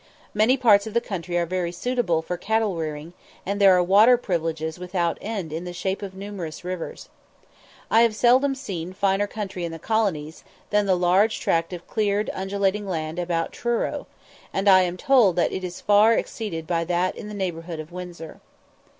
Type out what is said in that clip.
Many parts of the country are very suitable for cattle rearing, and there are "water privileges" without end in the shape of numerous rivers. I have seldom seen finer country in the colonies than the large tract of cleared undulating land about Truro, and I am told that it is far exceeded by that in the neighbourhood of Windsor.